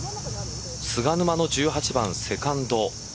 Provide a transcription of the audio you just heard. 菅沼の１８番、セカンド。